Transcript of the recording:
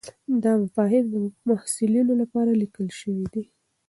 دا مفاهیم د محصلینو لپاره لیکل شوي دي.